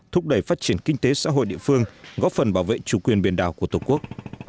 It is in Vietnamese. thúc đẩy phát triển kinh tế xã hội địa phương góp phần bảo vệ chủ quyền biển đảo của tổ quốc